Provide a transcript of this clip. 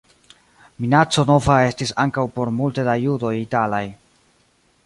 Minaco nova estis ankaŭ por multe da judoj italaj.